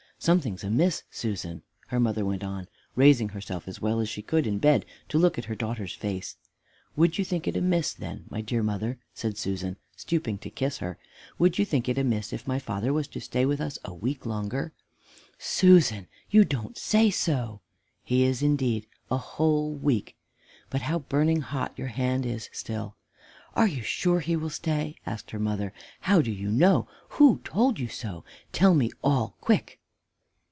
Something's amiss, Susan," her mother went on, raising herself as well as she could in bed, to look at her daughter's face. "Would you think it amiss, then, my dear mother," said Susan, stooping to kiss her "would you think it amiss if my father was to stay with us a week longer?" "Susan! you don't say so?" "He is, indeed, a whole week but how burning hot your hand is still." "Are you sure he will stay?" asked her mother. "How do you know? Who told you so? Tell me all quick!"